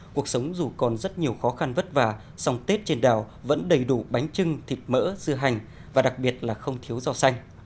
cuộc sống dù còn rất nhiều khó khăn vất vả song tết trên đảo vẫn đầy đủ bánh trưng thịt mỡ dưa hành và đặc biệt là không thiếu rau xanh